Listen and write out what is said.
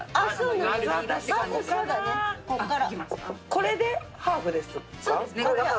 これでハーフですか？